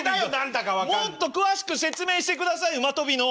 もっと詳しく説明してください馬跳びの。